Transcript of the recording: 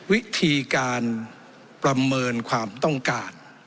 วิธีการประเมินความต้องการ